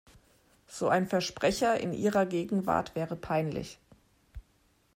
So ein Versprecher in ihrer Gegenwart wäre peinlich.